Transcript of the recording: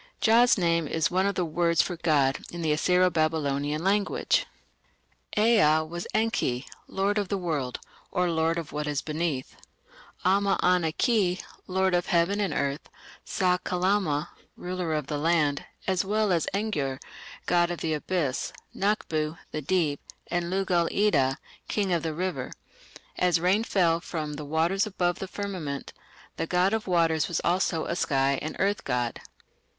Jah's name "is one of the words for 'god' in the Assyro Babylonian language". Ea was "Enki", "lord of the world", or "lord of what is beneath"; Amma ana ki, "lord of heaven and earth"; Sa kalama, "ruler of the land", as well as Engur, "god of the abyss", Naqbu, "the deep", and Lugal ida, "king of the river". As rain fell from "the waters above the firmament", the god of waters was also a sky and earth god.